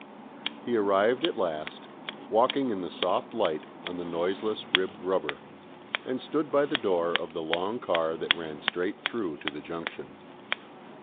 He arrived at last, walking in the soft light on the noiseless ribbed rubber, and stood by the door of the long car that ran straight through to the Junction.